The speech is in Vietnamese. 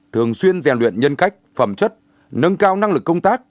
thường xuyên rèn luyện nhân cách phẩm chất nâng cao năng lực công tác